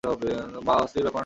বাহ, অস্থির ব্যাপার না?